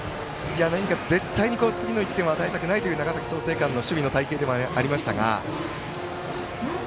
絶対に次の１点を与えたくないという長崎の創成館の守備の隊形でもありましたが。